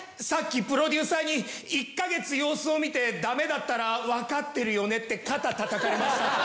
さっきプロデューサーに「１か月様子を見てダメだったら分かってるよね」って肩たたかれました